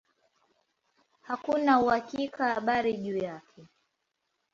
Hakuna habari za uhakika juu yake.